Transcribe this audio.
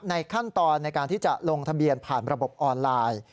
ขั้นตอนในการที่จะลงทะเบียนผ่านระบบออนไลน์